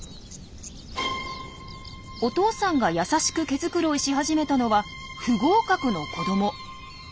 お父さんが優しく毛繕いし始めたのは不合格の子ども。